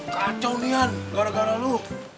kacau nihan gara gara lu